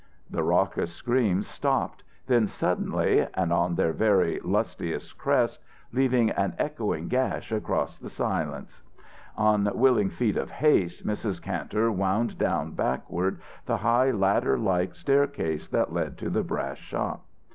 The raucous screams stopped then suddenly, and on their very lustiest crest, leaving an echoing gash across silence. On willing feet of haste, Mrs. Kantor wound down backward the high, ladderlike staircase that led to the brass shop.